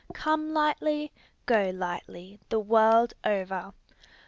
Come lightly, go lightly, the world over.